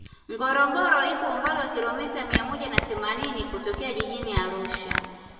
ngorongoro ipo umbali wa kilomita mia moja na themanini kutokea jijini arusha